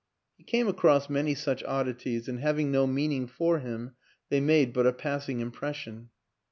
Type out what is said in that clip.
He came across many such oddities and having no meaning for him, they made but a pass ing impression.